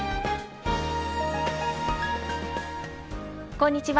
こんにちは。